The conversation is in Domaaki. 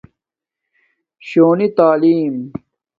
شونی تعلم